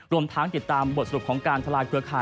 รวมทั้งติดตามบทสรุปของการทลายเครือข่าย